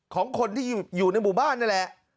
ของคนที่อยู่ในหมู่บ้านนั่นแหละ